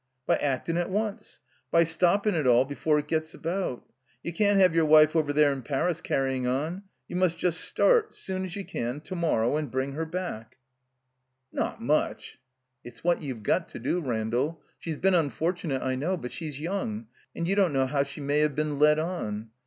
"By actin' at once. By stoppin' it all before it gets about. You can't have your wife over there in Paris canyin* on. You must just start — soon as you can — to morrow — and bring her b^j;;^^ ' 969 THE COMBINED MAZE ''Not much!" ''It's what you got to do, Randall. She's been unfortunate, I know; but she's young, and you don't know how she may have been led on.